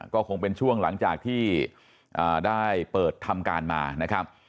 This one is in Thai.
ก็คงเป็นช่วงหลังจากที่ได้เปิดทำการมานะครับ